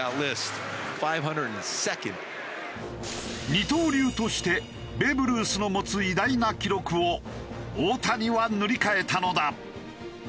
二刀流としてベーブ・ルースの持つ偉大な記録を大谷は塗り替えたのだ。